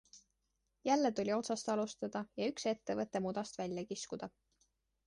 Jälle tuli otsast alustada ja üks ettevõte mudast välja kiskuda.